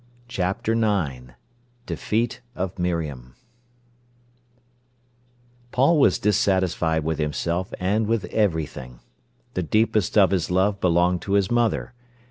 CHAPTER IX DEFEAT OF MIRIAM Paul was dissatisfied with himself and with everything. The deepest of his love belonged to his mother.